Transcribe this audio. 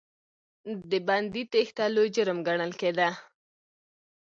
د بندي تېښته لوی جرم ګڼل کېده.